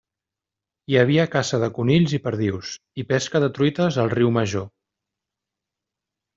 Hi havia caça de conills i perdius, i pesca de truites al Riu Major.